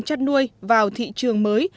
chất nuôi vào thị trường mới